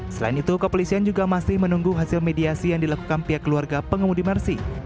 selain itu kepolisian juga masih menunggu hasil mediasi yang dilakukan pihak keluarga pengemudi mersi